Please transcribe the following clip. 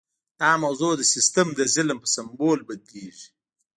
دا موضوع د سیستم د ظلم په سمبول بدلیږي.